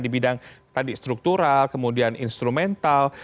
di bidang tadi struktural kemudian instrumental